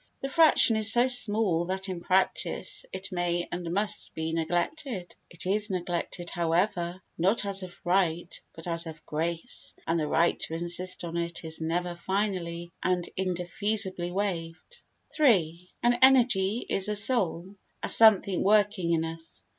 The fraction is so small that in practice it may and must be neglected; it is neglected, however, not as of right but as of grace, and the right to insist on it is never finally and indefeasibly waived. iii An energy is a soul—a something working in us.